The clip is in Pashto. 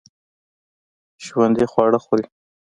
ژوندي خواړه خوري